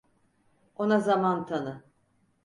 Ona zaman tanı.